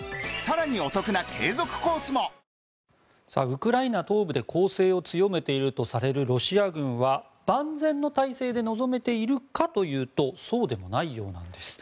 ウクライナ東部で攻勢を強めているとされるロシア軍は万全の態勢で臨めているかというとそうでもないようなんです。